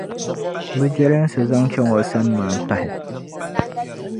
bɛ jɛlinsi zaŋ chaŋ o sani maan pahi.